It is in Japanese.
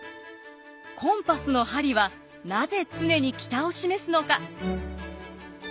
コンパスの針はなぜ常に北を示すのか？